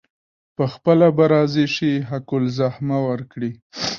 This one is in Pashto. پخپله به راضي شي حق الزحمه ورکړي.